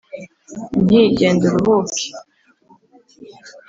Nti: genda uruhuke